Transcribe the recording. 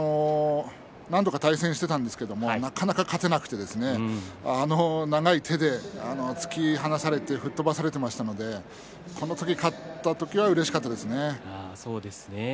何度か対戦していたんですけれどなかなか勝てなくてあの長い手で突き放されて吹っ飛ばされていましたのでこの時、勝った時はうれしかったですね。